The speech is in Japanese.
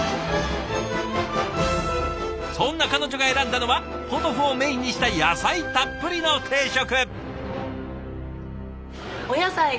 そんな彼女が選んだのはポトフをメインにした野菜たっぷりの定食。